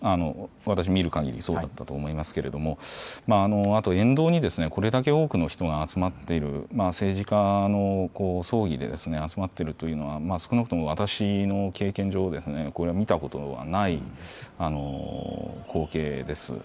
私が見るかぎりそうだったと思いますけれどもあと沿道にこれだけ多くの人が集まって政治家の葬儀で集まっているというのは少なくとも私の経験上、これは見たことはない光景です。